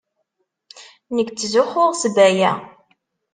Nekk ttzuxxuɣ s Baya.